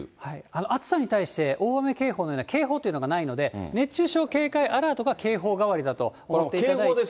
暑さに対して、大雨警報のような警報というのがないので、熱中症警戒アラートが警報代わりだと思っていただいて。